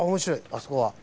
あそこは。